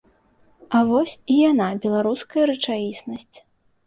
А вось і яна, беларуская рэчаіснасць.